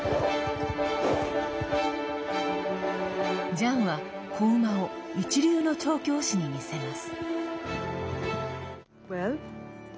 ジャンは、子馬を一流の調教師に見せます。